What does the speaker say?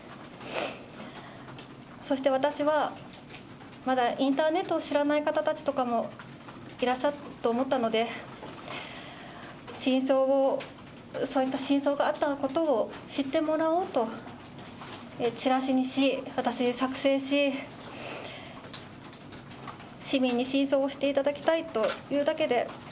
そして私は、まだインターネットを知らない方たちとかもいらっしゃると思ったので、真相を、そういった真相があったことを知ってもらおうと、チラシにし、私、作成し、市民に真相を知っていただきたいというだけで、